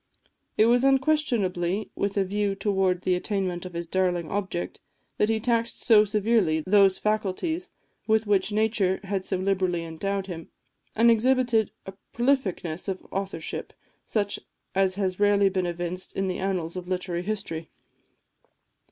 It was unquestionably with a view towards the attainment of his darling object, that he taxed so severely those faculties with which nature had so liberally endowed him, and exhibited a prolificness of authorship, such as has rarely been evinced in the annals of literary history.